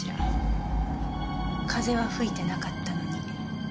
風は吹いてなかったのに。